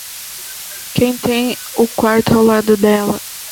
Quem tem o quarto ao lado dela?